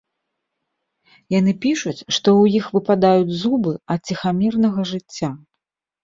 Яны пішуць, што ў іх выпадаюць зубы ад ціхамірнага жыцця.